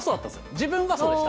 自分がそうでした。